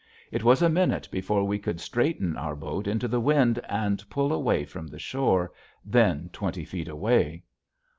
It was a minute before we could straighten our boat into the wind and pull away from the shore, then twenty feet away.